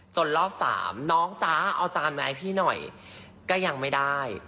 รอบ๓น้องจ๊ะเอาจานมาให้พี่หน่อยก็ยังไม่ได้